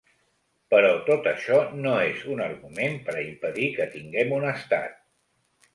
Però tot això no és un argument per a impedir que tinguem un estat.